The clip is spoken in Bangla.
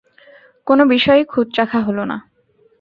কোনো বিষয়েই খুঁত রাখা হল না।